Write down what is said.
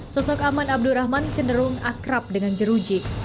sosok aman abdurrahman cenderung akrab dengan jeruji